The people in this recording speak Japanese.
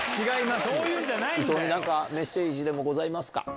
いとうに何かメッセージでもございますか？